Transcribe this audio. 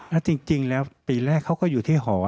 แล้วจริงแล้วปีแรกเขาก็อยู่ที่หอ